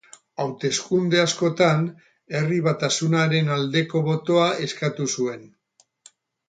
Hauteskunde askotan Herri Batasunaren aldeko botoa eskatu zuen.